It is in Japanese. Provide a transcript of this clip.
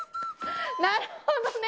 なるほどね。